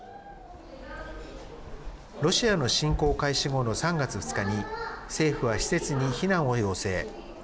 ロシアの侵攻開始後の３月２日に政府は施設に避難を要請。